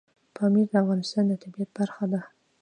پامیر د افغانستان د طبیعت برخه ده.